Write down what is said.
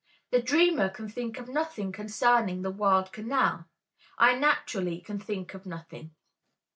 The dreamer can think of nothing concerning the word canal, I naturally can think of nothing.